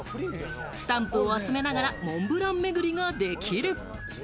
スタンプを集めながらモンブラン巡りができる。